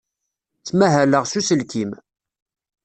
Ttmahaleɣ s uselkim.